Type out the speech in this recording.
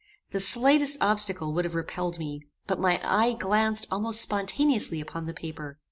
The slightest obstacle would have repelled me; but my eye glanced almost spontaneously upon the paper.